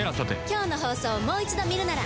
今日の放送をもう一度見るなら。